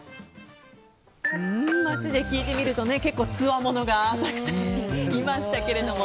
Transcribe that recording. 街で聞いてみると結構つわものがたくさんいましたけれども。